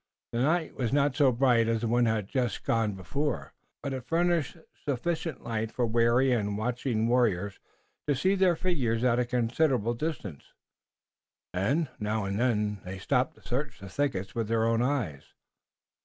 The night was not so bright as the one that had just gone before, but it furnished sufficient light for wary and watching warriors to see their figures at a considerable distance, and, now and then, they stopped to search the thickets with their own eyes.